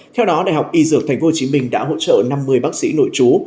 theo đó đại học y dược tp hcm đã hỗ trợ năm mươi bác sĩ nội chú